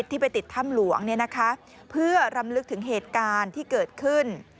ท่ามหลวงเพื่อรำลึกถึงเหตุการณ์ที่เกิดขึ้น